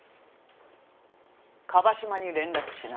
椛島に連絡しな。